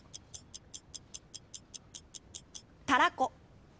「たらこ」